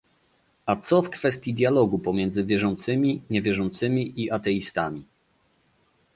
A co w kwestii dialogu pomiędzy wierzącymi, niewierzącymi i ateistami?